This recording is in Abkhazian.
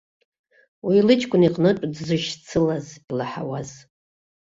Уи лыҷкәын иҟнытә дзышьцылаз, илаҳауаз.